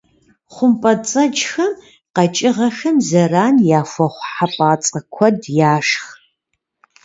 Хъумпӏэцӏэджхэм къэкӏыгъэхэм зэран яхуэхъу хьэпӏацӏэ куэд яшх.